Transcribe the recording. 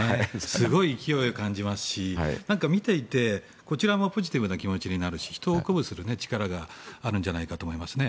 すごい勢いを感じますし見ていてこちらもポジティブな気持ちになるし人を鼓舞する力があるんじゃないかと思いますね。